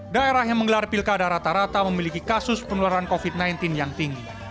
daerah yang menggelar pilkada rata rata memiliki kasus penularan covid sembilan belas yang tinggi